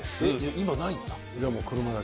今ないんだ。